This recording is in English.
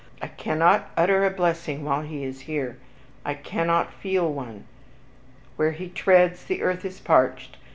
I cannot utter a blessing while he is here. I cannot feel one. Where he treads, the earth is parched!